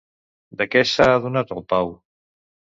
De què s'ha adonat el Pau?